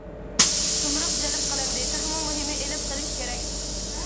سۇمۇرغ جەلپ قىلىندى، تېخىمۇ مۇھىمى ئېلىپ قېلىش كېرەك.